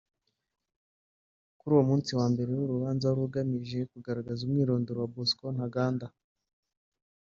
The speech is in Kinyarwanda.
kuri uwo munsi wa mbere w’urubanza wari ugamije kugaragaza umwirindoro wa Bosco Ntaganda